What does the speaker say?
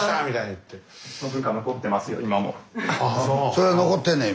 それは残ってんねん